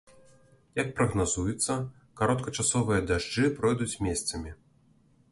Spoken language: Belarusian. Як прагназуецца, кароткачасовыя дажджы пройдуць месцамі.